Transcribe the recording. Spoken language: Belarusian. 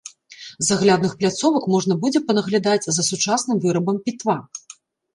З аглядных пляцовак можна будзе панаглядаць за сучасным вырабам пітва.